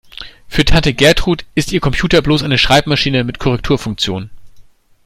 Für Tante Gertrud ist ihr Computer bloß eine Schreibmaschine mit Korrekturfunktion.